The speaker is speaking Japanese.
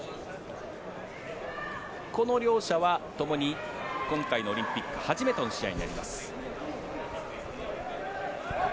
この両者はともに今回のオリンピック初めての試合になります。